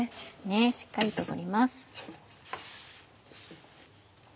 しっかりと取ります。